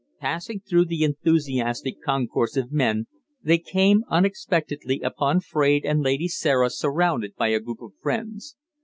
Passing through the enthusiastic concourse of men, they came unexpectedly upon Fraide and Lady Sarah surrounded by a group of friends.